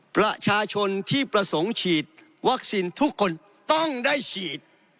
ประชาชนที่ประสงค์ฉีดวัคซีนทุกคนต้องได้ฉีด